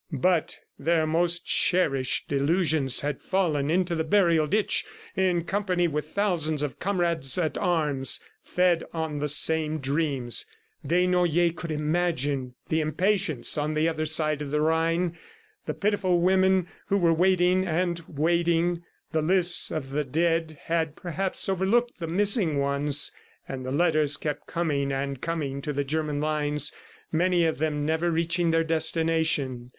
But their most cherished illusions had fallen into the burial ditch in company with thousands of comrades at arms fed on the same dreams. Desnoyers could imagine the impatience on the other side of the Rhine, the pitiful women who were waiting and waiting. The lists of the dead had, perhaps, overlooked the missing ones; and the letters kept coming and coming to the German lines, many of them never reaching their destination.